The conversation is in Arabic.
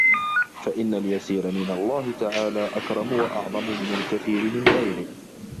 فَإِنَّ الْيَسِيرَ مِنْ اللَّهِ تَعَالَى أَكْرَمُ وَأَعْظَمُ مِنْ الْكَثِيرِ مِنْ غَيْرِهِ